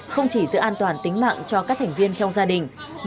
không chỉ giữ an toàn tính mạng cho các thành viên trong gia đình